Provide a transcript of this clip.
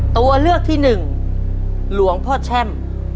ตัวเลือกที่หนึ่งหลวงพ่อแช่ม